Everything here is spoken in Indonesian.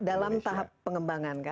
dalam tahap pengembangan kan